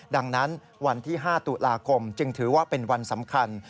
ดังนั้นวันที่๕ตุลาคมจึงถือว่าเป็นวันสำคัญ